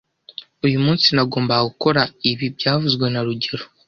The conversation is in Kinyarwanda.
Uyu munsi nagombaga gukora ibi byavuzwe na rugero